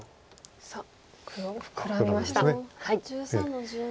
さあ黒フクラみました。